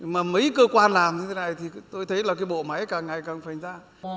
mà mấy cơ quan làm như thế này thì tôi thấy là cái bộ máy càng ngày càng phành ra